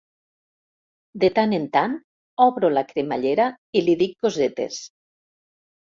De tant en tant obro la cremallera i li dic cosetes.